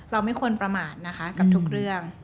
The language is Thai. เราไม่ควรประมาทนะคะกับทุกเรื่อง